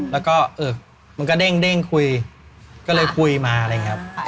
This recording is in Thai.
แล้วก็เออมันก็เด้งคุยก็เลยคุยมาอะไรอย่างนี้ครับ